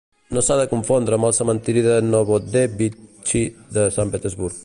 No s'ha de confondre amb el cementiri de Novodévitxi de Sant Petersburg.